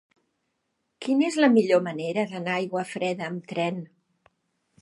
Quina és la millor manera d'anar a Aiguafreda amb tren?